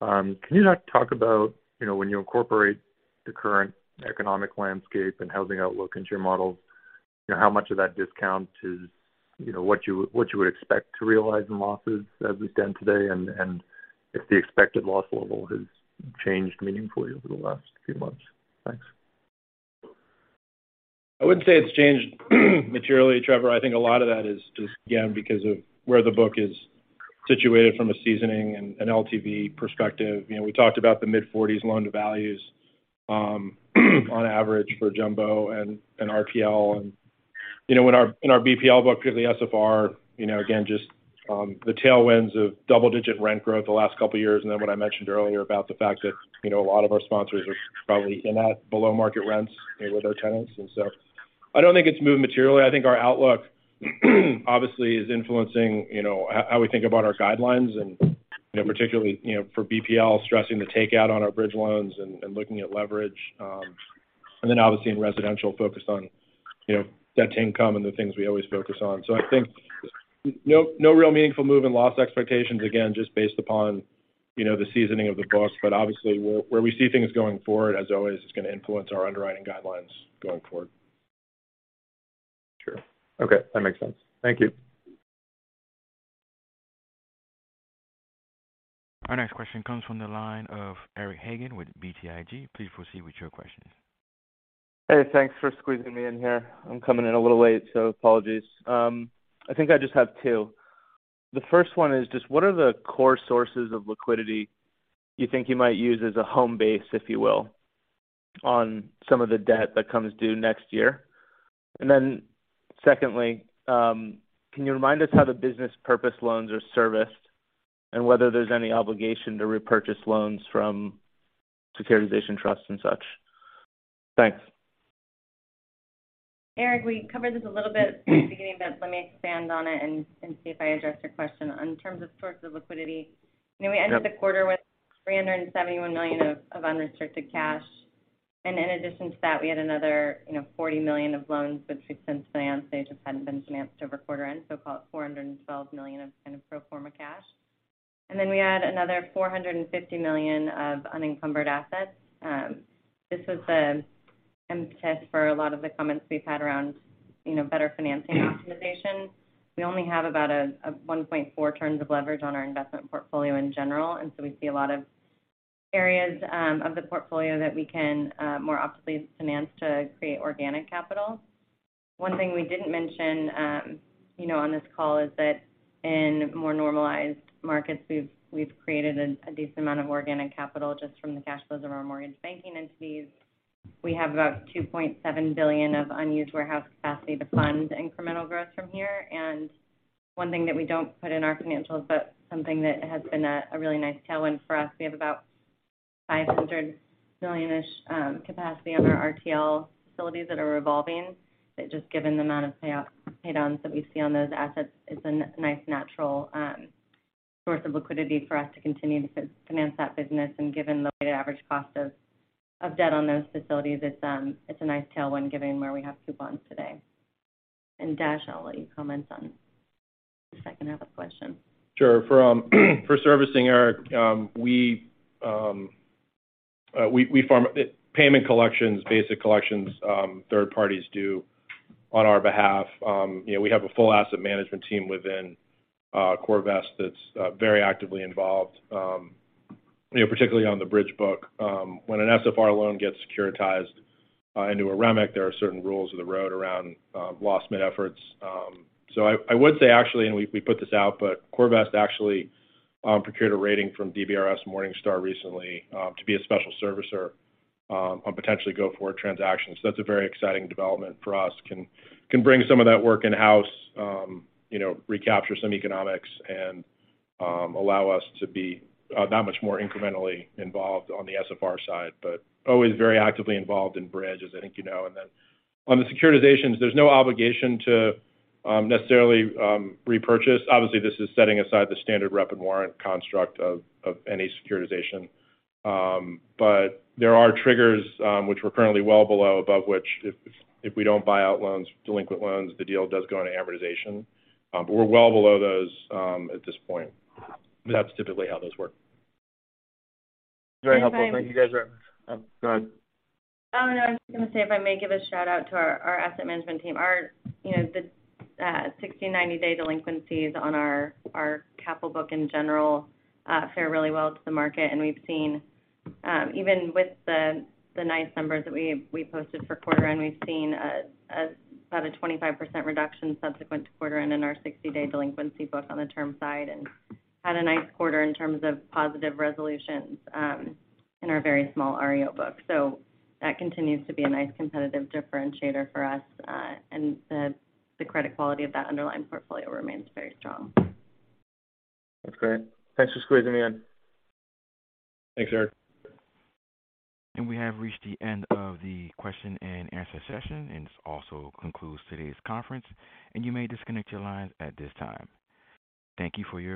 can you talk about, you know, when you incorporate the current economic landscape and housing outlook into your models, you know, how much of that discount is, you know, what you would expect to realize in losses as we stand today, and if the expected loss level has changed meaningfully over the last few months? Thanks. I wouldn't say it's changed materially, Trevor. I think a lot of that is just, again, because of where the book is situated from a seasoning and an LTV perspective. You know, we talked about the mid-40s loan-to-values on average for jumbo and RTL. You know, when in our BPL book, particularly SFR, you know, again, just the tailwinds of double-digit rent growth the last couple of years, and then what I mentioned earlier about the fact that, you know, a lot of our sponsors are probably in that below-market rents, you know, with our tenants. I don't think it's moved materially. I think our outlook obviously is influencing, you know, how we think about our guidelines and, you know, particularly, you know, for BPL, stressing the takeout on our bridge loans and looking at leverage. Obviously in residential, focused on, you know, debt to income and the things we always focus on. I think no real meaningful move in loss expectations, again, just based upon, you know, the seasoning of the book. Obviously where we see things going forward, as always, is gonna influence our underwriting guidelines going forward. Sure. Okay, that makes sense. Thank you. Our next question comes from the line of Eric Hagen with BTIG. Please proceed with your questions. Hey, thanks for squeezing me in here. I'm coming in a little late, so apologies. I think I just have two. The first one is just what are the core sources of liquidity you think you might use as a home base, if you will, on some of the debt that comes due next year? And then secondly, can you remind us how the business purpose loans are serviced and whether there's any obligation to repurchase loans from securitization trusts and such? Thanks. Eric, we covered this a little bit at the beginning, but let me expand on it and see if I addressed your question. In terms of source of liquidity. Yep. You know, we ended the quarter with $371 million of unrestricted cash. In addition to that, we had another, you know, $40 million of loans which we've since financed. They just hadn't been financed over quarter end, so call it $412 million of kind of pro forma cash. Then we had another $450 million of unencumbered assets. This is the impetus for a lot of the comments we've had around, you know, better financing optimization. We only have about 1.4x leverage on our investment portfolio in general, and so we see a lot of areas of the portfolio that we can more optimally finance to create organic capital. One thing we didn't mention, you know, on this call is that in more normalized markets, we've created a decent amount of organic capital just from the cash flows of our mortgage banking entities. We have about $2.7 billion of unused warehouse capacity to fund incremental growth from here. One thing that we don't put in our financials, but something that has been a really nice tailwind for us, we have about $500 million-ish capacity on our RTL facilities that are revolving, that just given the amount of pay downs that we see on those assets, it's a nice natural source of liquidity for us to continue to finance that business. Given the weighted average cost of debt on those facilities, it's a nice tailwind given where we have coupons today. Dash, I'll let you comment on the second other question. Sure. For servicing, Eric, we perform payment collections, basic collections, third parties do on our behalf. You know, we have a full asset management team within CoreVest that's very actively involved, you know, particularly on the bridge book. When an SFR loan gets securitized into a REMIC, there are certain rules of the road around loss mitigation efforts. I would say actually, we put this out, but CoreVest actually procured a rating from DBRS Morningstar recently to be a special servicer on potentially go forward transactions. That's a very exciting development for us. Can bring some of that work in-house, you know, recapture some economics and allow us to be that much more incrementally involved on the SFR side. Always very actively involved in bridge, as I think you know. Then on the securitizations, there's no obligation to necessarily repurchase. Obviously, this is setting aside the standard rep and warrant construct of any securitization. There are triggers, which we're currently well below, above which if we don't buy out loans, delinquent loans, the deal does go into amortization. We're well below those at this point. That's typically how those work. Very helpful. Thank you guys very much. Go ahead. I was gonna say if I may give a shout-out to our asset management team. Our 60- and 90-day delinquencies on our capital book in general compare really well to the market. We've seen, even with the nice numbers that we posted for quarter end, a 25% reduction subsequent to quarter end in our 60-day delinquency book on the term side and had a nice quarter in terms of positive resolutions in our very small REO book. That continues to be a nice competitive differentiator for us. The credit quality of that underlying portfolio remains very strong. That's great. Thanks for squeezing me in. Thanks, Eric. We have reached the end of the question and answer session, and this also concludes today's conference, and you may disconnect your lines at this time. Thank you for your participation.